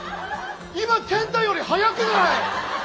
今ケンタより速くない？